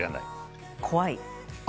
怖い。